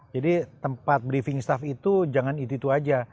jadi tempat briefing staff itu jangan itu itu aja